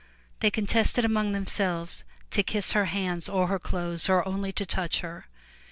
They contested among themselves to kiss her hands or her clothes or only to touch her.